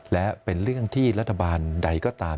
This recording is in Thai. และเป็นเรื่องที่รัฐบาลใดก็ตาม